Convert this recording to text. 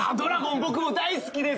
僕も大好きです。